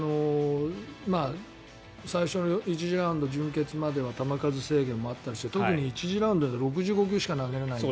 最初の１次ラウンド準決までは球数制限もあったりして特に１次ラウンドでは６５球しか投げれないので。